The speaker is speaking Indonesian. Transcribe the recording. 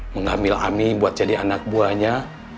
mengambil ami buat jadi anak buahnya